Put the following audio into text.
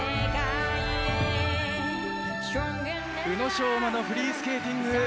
宇野昌磨のフリースケーティング。